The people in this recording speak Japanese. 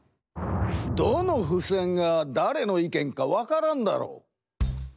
どのふせんがだれの意見か分からんだろう。